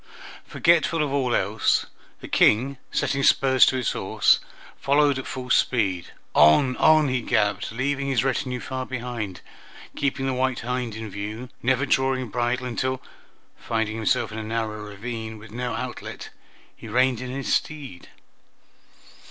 Forgetful of all else, the King, setting spurs to his horse, followed at full speed. On, on he galloped, leaving his retinue far behind, keeping the white hind in view, never drawing bridle until, finding himself in a narrow ravine with no outlet, he reined in his steed.